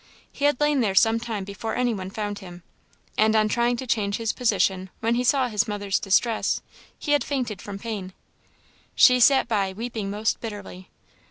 He had lain there some time before any one found him; and on trying to change his position, when he saw his mother's distress, he had fainted from pain. She sat by, weeping most bitterly.